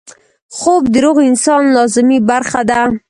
خوب د روغ انسان لازمي برخه ده